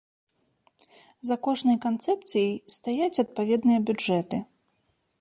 За кожнай канцэпцыяй стаяць адпаведныя бюджэты.